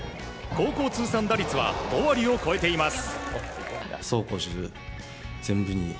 高校通算打率は５割を超えています。